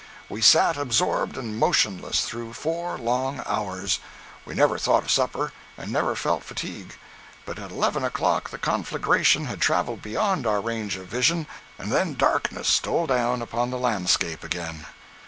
We sat absorbed and motionless through four long hours. We never thought of supper, and never felt fatigue. But at eleven o'clock the conflagration had traveled beyond our range of vision, and then darkness stole down upon the landscape again.